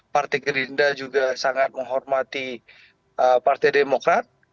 partai gerindra juga sangat menghormati partai demokrat